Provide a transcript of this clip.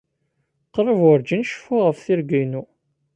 Qrib werjin ceffuɣ ɣef tirga-inu.